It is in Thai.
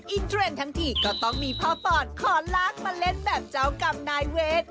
อีเตรนทั้งที่ก็ต้องมีพ่อพอร์ตขอรักมาเล่นแบบเจ้ากับนายเว้ย